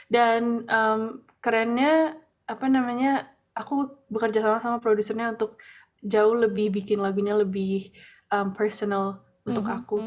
dan kerennya aku bekerja sama sama produsernya untuk jauh lebih bikin lagunya lebih personal untuk aku